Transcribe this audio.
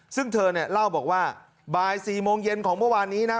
ซึ่งเธอเนี่ยเล่าบอกว่าบ่าย๔โมงเย็นของเมื่อวานนี้นะ